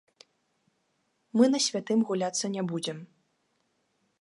Мы на святым гуляцца не будзем.